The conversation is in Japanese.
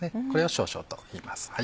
これを少々といいます。